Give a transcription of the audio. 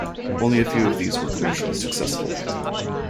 Only a few of these were commercially successful.